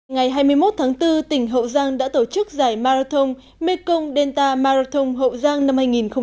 ngày hai mươi một bốn tỉnh hậu giang đã tổ chức giải marathon mekong delta marathon hậu giang năm hai nghìn một mươi chín